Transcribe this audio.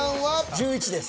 １１です。